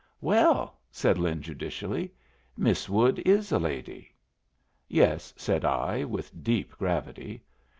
"Well," said Lin, judicially, "Miss Wood is a lady." "Yes," said I, with deep gravity.